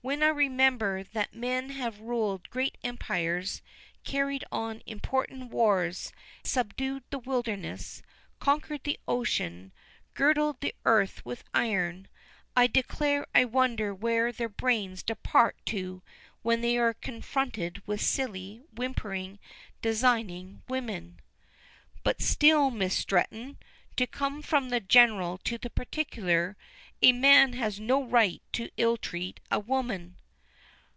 When I remember that men have ruled great empires, carried on important wars, subdued the wilderness, conquered the ocean, girdled the earth with iron, I declare I wonder where their brains depart to when they are confronted with silly, whimpering, designing women." "But still, Miss Stretton, to come from the general to the particular, a man has no right to ill treat a woman."